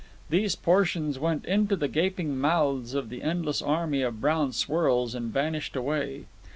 These portions went into the gaping mouths of the endless army of brown swirls and vanished away.